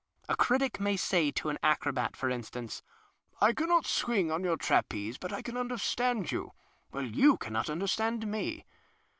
A critic may say to an acrobat, for instance :—" I cannot swing on your trapeze, but I can understand you, wiiile you cannot \mderstand me."